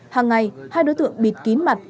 hàng ngày hai đối tượng bịt kín mặt